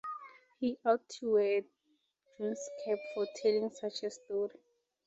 He ought to wear a dunce-cap for telling such a story.